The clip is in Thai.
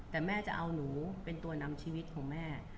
แต่แม่จะเอาหนูเป็นตัวนำชีวิตของแม่